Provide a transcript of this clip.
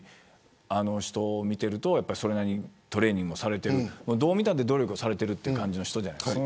あの人を見ていると、それなりにトレーニングもされているどう見たって努力をされている感じの人じゃないですか。